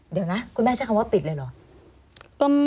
เดี๋ยวนะคุณแม่ใช้คำว่าติดเลยเหรอ